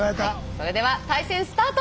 それでは対戦スタート！